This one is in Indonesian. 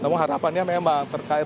namun harapannya memang terkait